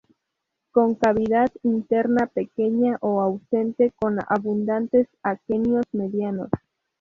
Con cavidad interna pequeña o ausente, con abundantes aquenios medianos.